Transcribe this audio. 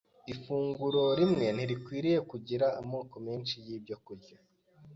Ifunguro rimwe ntirikwiriye kugira amoko menshi y’ibyokurya,